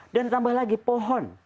dan ditambah lagi pohon